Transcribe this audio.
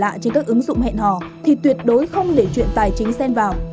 để lại trên các ứng dụng hẹn hò thì tuyệt đối không để chuyện tài chính sen vào